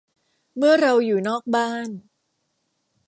เมื่อเราอยู่นอกบ้าน